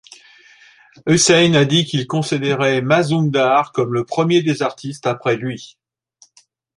Hussain a dit qu'il considérait Mazumdar comme le premier des artistes après lui.